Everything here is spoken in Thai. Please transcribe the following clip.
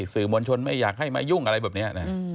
สื่อมวลชนไม่อยากให้มายุ่งอะไรแบบนี้นะ